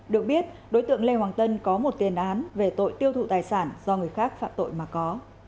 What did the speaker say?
được biết đối tượng lê hoàng tân có một tiền án về tội tiêu thụ tài sản do người khác phạm tội mà có